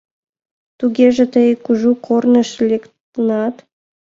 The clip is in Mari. — Тугеже, тый кужу корныш лектынат?